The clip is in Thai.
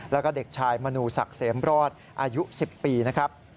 แล้วก็เด็กชายมนูศักดิ์เสมรอดอายุ๑๐ปีนะครับ